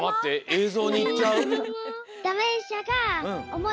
えいぞうにいっちゃう？